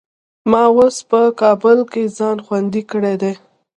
ما اوس په کابل کې ځان خوندي کړی دی.